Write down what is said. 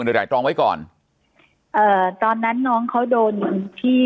หรืออะไรตรงไว้ก่อนเอ่อตอนนั้นน้องเขาโดนอยู่ที่